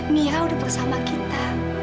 mira udah bersama kita